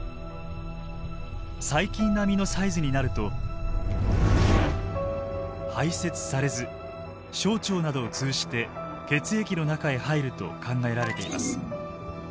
細菌並みのサイズになると排せつされず小腸などを通じて血液の中へ入ると考えられています。